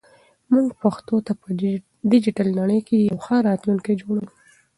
موږ پښتو ته په ډیجیټل نړۍ کې یو ښه راتلونکی جوړوو.